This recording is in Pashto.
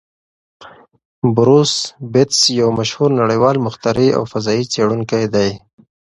بروس بتز یو مشهور نړیوال مخترع او فضايي څېړونکی دی.